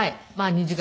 ２時間？